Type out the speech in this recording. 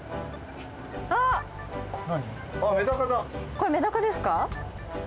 これメダカですか？